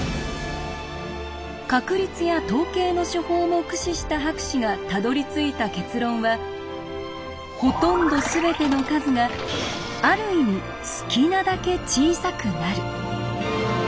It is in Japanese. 確率や統計の手法も駆使した博士がたどりついた結論は「ほとんどすべての数がある意味好きなだけ小さくなる」。